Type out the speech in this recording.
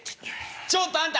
ちょっとあんた！